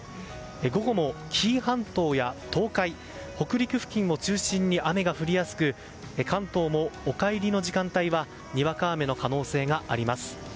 午後も紀伊半島や東海北陸付近を中心に雨が降りやすく関東もお帰りの時間帯はにわか雨の可能性があります。